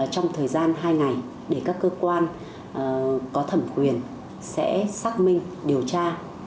trong thời gian hai ngày để các cơ quan có thẩm quyền sẽ xác minh điều tra